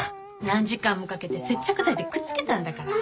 何時間もかけて接着剤でくっつけたんだから。